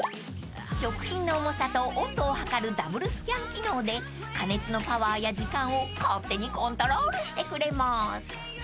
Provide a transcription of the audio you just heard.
［食品の重さと温度をはかるＷスキャン機能で加熱のパワーや時間を勝手にコントロールしてくれます］